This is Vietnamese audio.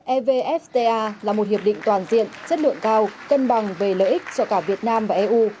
evfta là một hiệp định toàn diện chất lượng cao cân bằng về lợi ích cho cả việt nam và eu